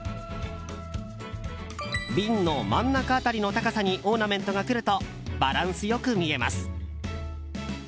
瓶の真ん中辺りの高さにオーナメントが来るとバランスよく見えます。